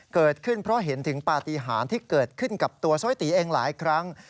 เกิดขึ้นเพราะเห็นถึงปฏิหารที่เกิดขึ้นกับตัวสร้อยตีเองหลายครั้ง